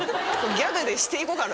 ギャグでして行こうかな